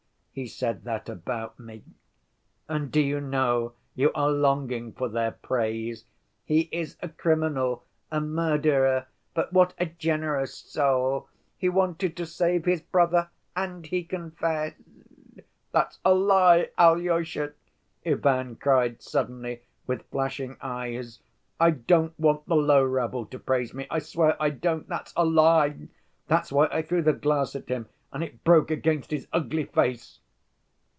He said that about me. 'And do you know you are longing for their praise—"he is a criminal, a murderer, but what a generous soul; he wanted to save his brother and he confessed." ' That's a lie, Alyosha!" Ivan cried suddenly, with flashing eyes. "I don't want the low rabble to praise me, I swear I don't! That's a lie! That's why I threw the glass at him and it broke against his ugly face."